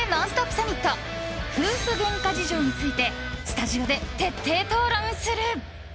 サミット夫婦げんか事情についてスタジオで徹底討論する！